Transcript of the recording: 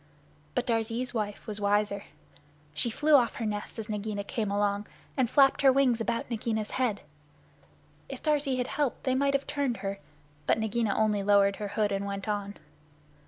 But Darzee's wife was wiser. She flew off her nest as Nagaina came along, and flapped her wings about Nagaina's head. If Darzee had helped they might have turned her, but Nagaina only lowered her hood and went on.